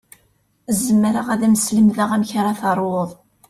Zemreɣ ad m-slemdeɣ amek ara taruḍ.